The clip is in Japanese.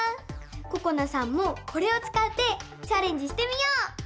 ここなさんもこれをつかってチャレンジしてみよう！